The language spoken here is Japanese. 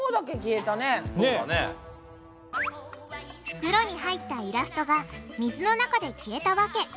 袋に入ったイラストが水の中で消えた訳。